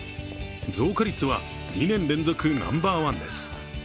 増加率は２年連続ナンバーワンです。